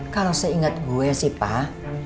kalo seinget gue sih pak